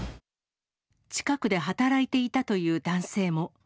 近くで働いていたという男性